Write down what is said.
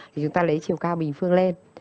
thì chúng ta lấy chiều cao bình phương lên